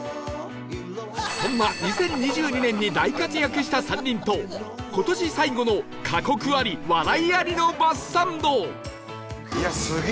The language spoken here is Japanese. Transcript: そんな２０２２年に大活躍した３人と今年最後の過酷あり笑いありのバスサンド